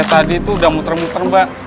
saya tadi tuh udah muter muter mbak